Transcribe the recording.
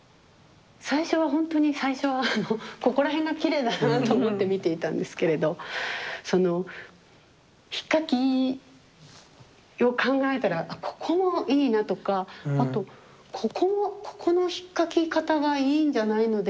最初はほんとに最初はあのここら辺がきれいだなと思って見ていたんですけれどそのひっかきを考えたらここもいいなとかあとここもここのひっかき方がいいんじゃないのでしょうかとか思うし。